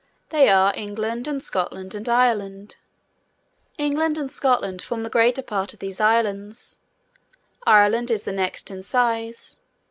They are England and Scotland, and Ireland. England and Scotland form the greater part of these Islands. Ireland is the next in size.